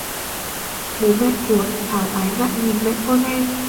Bố mẹ của Thảo ái ngại nhìn mẹ con em